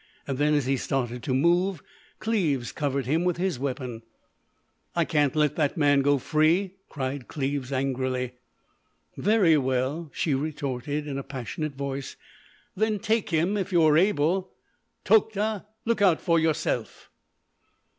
Then, as he started to move, Cleves covered him with his weapon. "I can't let that man go free!" cried Cleves angrily. "Very well!" she retorted in a passionate voice—"then take him if you are able! Tokhta! Look out for yourself!"